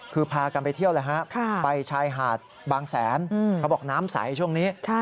คือพากันไปเที่ยวแล้วฮะไปชายหาดบางแสนเขาบอกน้ำใสช่วงนี้